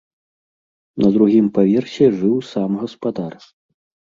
На другім паверсе жыў сам гаспадар.